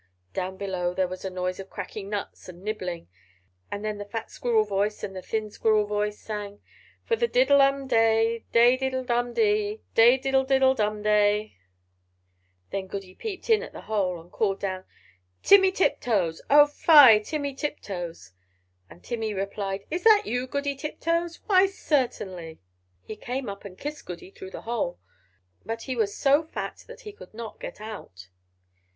Down below there was a noise of cracking nuts and nibbling; and then the fat squirrel voice and the thin squirrel voice sang "For the diddlum day Day diddle dum di! Day diddle diddle dum day!" Then Goody peeped in at the hole, and called down "Timmy Tiptoes! Oh fie, Timmy Tiptoes!" And Timmy replied, "Is that you, Goody Tiptoes? Why, certainly!" He came up and kissed Goody through the hole; but he was so fat that he could not get out.